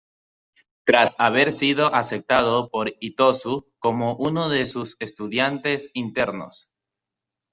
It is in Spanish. Tras haber sido aceptado por Itosu como uno de sus estudiantes internos.